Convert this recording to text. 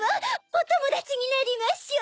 おともだちになりましょう！